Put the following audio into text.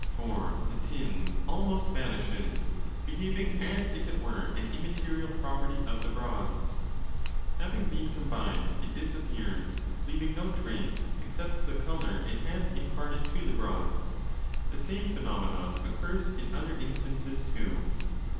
For the tin almost vanishes, behaving as if it were an immaterial property of the bronze: having been combined, it disappears, leaving no trace except the colour it has imparted to the bronze. Thesame phenomenon occurs in other instances too.